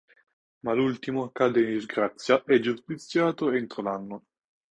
Ma l'ultimo cadde in disgrazia e giustiziato entro l'anno.